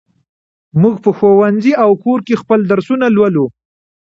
موږ په ښوونځي او کور کې خپل درسونه لولو.